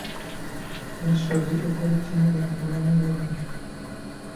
Nassozi okoze kinene mu bulamu bwange.